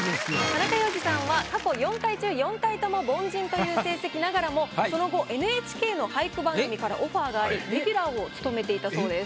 田中要次さんは過去４回中４回とも凡人という成績ながらもその後ＮＨＫの俳句番組からオファーがありレギュラーを務めていたそうです。